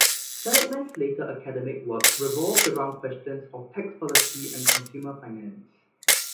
Seligman's later academic work revolved around questions of tax policy and consumer finance.